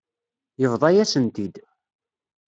Yebḍa-yasen-t-id.